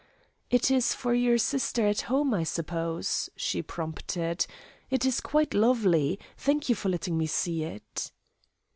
"It is for your sister at home, I suppose," she prompted. "It's quite lovely. Thank you for letting me see it."